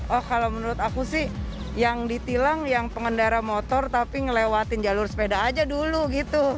oh kalau menurut aku sih yang ditilang yang pengendara motor tapi ngelewatin jalur sepeda aja dulu gitu